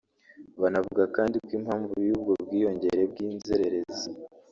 Banavuga kandi ko impamvu y’ubwo bwiyongere bw’inzererezi